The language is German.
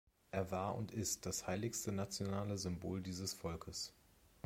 Er war und ist das heiligste nationale Symbol dieses Volkes.